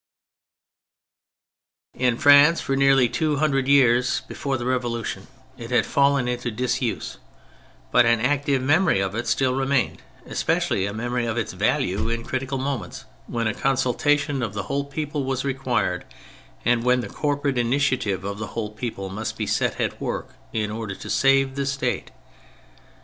THE POLITICAL THEORY 25 In France for nearly two hundred years be fore the Revolution it had fallen into disuse, but an active memory of it still remained; especially a memory of its value in critical moments when a consultation of the whole people was required, and when the corporate initiative of the whole people must be set at work in order to save the State.